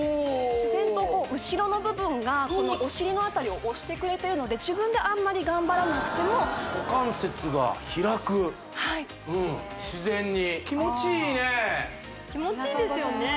自然と後ろの部分がお尻のあたりを押してくれてるので自分であんまり頑張らなくてもはいうん自然にああ気持ちいいですよね